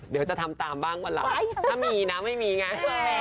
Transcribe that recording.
เดี๋ยวจะทำตามบ้างวันหลังถ้ามีนะไม่มีไง